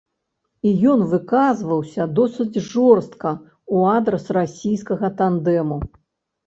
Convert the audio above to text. І ён выказваўся досыць жорстка ў адрас расійскага тандэму.